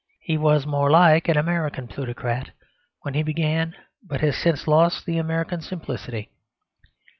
He was more like an American plutocrat when he began; but he has since lost the American simplicity.